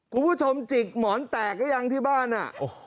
กลุ่มผู้ชมจิกหมอนแตกก็ยังที่บ้านอะ